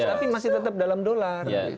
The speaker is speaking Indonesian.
tapi masih tetap dalam dolar